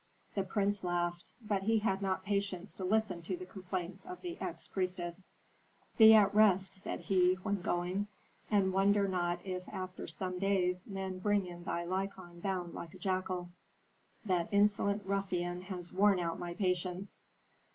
The prince laughed, but he had not patience to listen to the complaints of the ex priestess. "Be at rest," said he, when going, "and wonder not if after some days men bring in thy Lykon bound like a jackal. That insolent ruffian has worn out my patience."